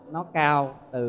nó cao từ